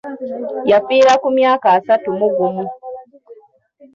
Yafiira ku myaka asatu mu gumu.